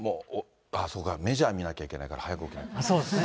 そうか、メジャー見なきゃいけないから、そうですね。